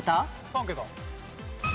３桁。